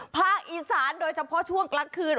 ภาคอีสานโดยเฉพาะช่วงกลางคืน